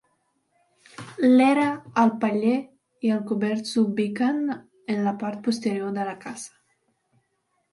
L'era, el paller i el cobert s'ubiquen en la part posterior de la casa.